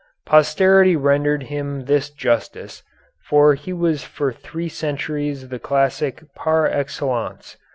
Posterity rendered him this justice, for he was for three centuries the classic par excellence.